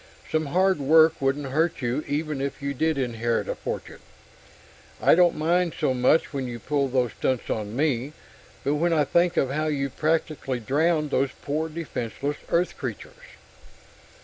Some hard work wouldn't hurt you even if you did inherit a fortune. I don't mind so much when you pull these stunts on me, but when I think of how you practically drowned those poor, defenseless Earth creatures...."